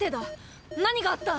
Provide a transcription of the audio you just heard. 何があった！